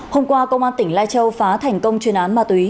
hôm qua công an tỉnh lai châu phá thành công chuyên án ma túy